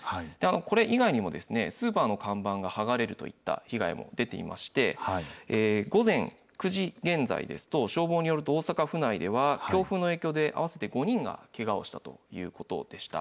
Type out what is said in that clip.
これ以外にも、スーパーの看板が剥がれるといった被害も出ていまして、午前９時現在ですと、消防によると、大阪府内では強風の影響で合わせて５人がけがをしたということでした。